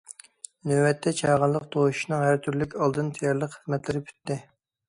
نۆۋەتتە، چاغانلىق توشۇشنىڭ ھەر تۈرلۈك ئالدىن تەييارلىق خىزمەتلىرى پۈتتى.